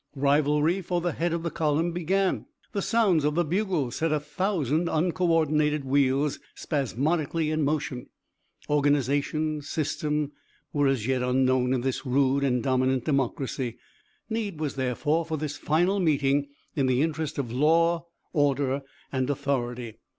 Rivalry for the head of the column began. The sounds of the bugle set a thousand uncoördinated wheels spasmodically in motion. Organization, system were as yet unknown in this rude and dominant democracy. Need was therefore for this final meeting in the interest of law, order and authority.